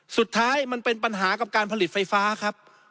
สุดท้ายมันเป็นปัญหากับการผลิตไฟฟ้าครับ